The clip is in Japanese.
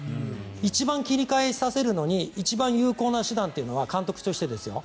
一番切り替えさせるのに一番有効な手段というのは監督としてですよ